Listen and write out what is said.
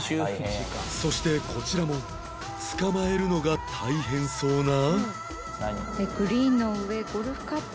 そしてこちらも捕まえるのが大変そうな